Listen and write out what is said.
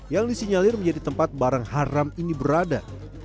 yang disinyalir menjadi tempat barang haram ini berada